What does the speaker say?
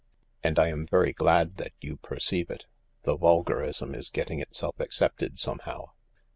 " And I am very glad that you per ceive it. The vulgarism is getting itself accepted, somehow.